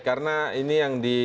karena ini yang di